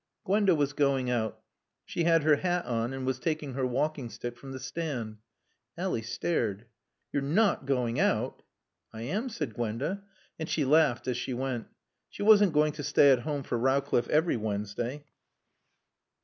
Gwenda was going out. She had her hat on, and was taking her walking stick from the stand. Ally stared. "You're not going out?" "I am," said Gwenda. And she laughed as she went. She wasn't going to stay at home for Rowcliffe every Wednesday.